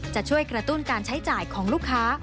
จะช่วยกระตุ้นการใช้จ่ายของลูกค้า